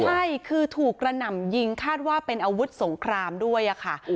ใช่คือถูกกระหน่ำยิงคาดว่าเป็นอาวุธสงครามด้วยค่ะ